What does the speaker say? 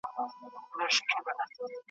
له مستۍ به یې په ډزو کي شیشنی سو `